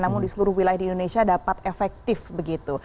namun di seluruh wilayah di indonesia dapat efektif begitu